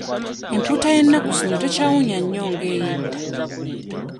Empuuta y'ennaku zino tekyawunnya nnyo nga ey'edda.